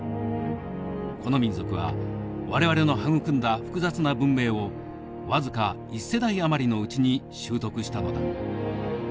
この民族は我々の育んだ複雑な文明を僅か１世代余りのうちに習得したのだ。